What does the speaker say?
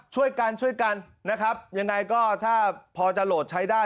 ช่วยกันช่วยกันนะครับยังไงก็ถ้าพอจะโหลดใช้ได้